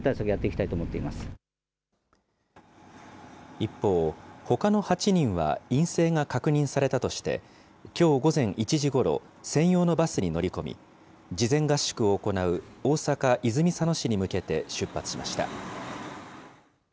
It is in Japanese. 一方、ほかの８人は陰性が確認されたとして、きょう午前１時ごろ、専用のバスに乗り込み、事前合宿を行う大阪・泉佐野市に向けて出発しました。